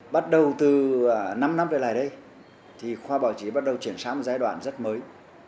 bắt đầu từ năm năm trở lại đây thì khoa báo chí bắt đầu chuyển sang một giai đoạn rất mới